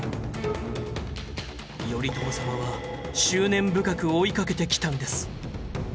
頼朝様は執念深く追いかけてきたんです。